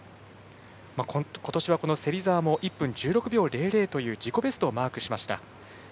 今年は芹澤も１分１６秒００という自己ベストをマークしました。